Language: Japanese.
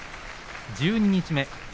十二日目。